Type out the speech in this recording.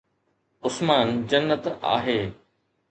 عثمان جنت آهي